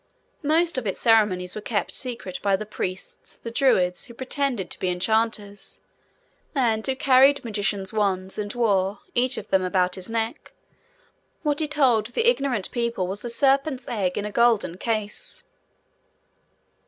Most of its ceremonies were kept secret by the priests, the Druids, who pretended to be enchanters, and who carried magicians' wands, and wore, each of them, about his neck, what he told the ignorant people was a Serpent's egg in a golden case.